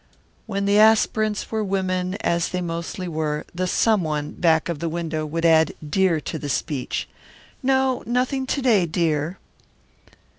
When the aspirants were women, as they mostly were, the someone back of the window would add "dear" to the speech: "No, nothing to day, dear."